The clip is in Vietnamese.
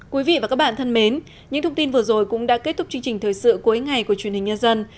quý vị và các bạn thân mến những thông tin vừa rồi cũng đã kết thúc chương trình thời sự cuối ngày của truyền hình nhân dân